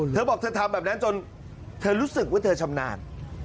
เธอบอกเธอทำแบบนั้นจนเธอรู้สึกว่าเธอชำนาญ